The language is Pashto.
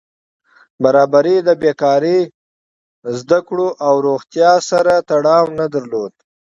برابري د بېکاري، زده کړو او روغتیا سره تړاو نه درلود.